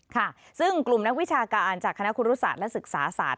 ค่ะซึ่งกลุ่มนักวิชาการจากคณะครูรุศาสตร์และศึกษาศาสต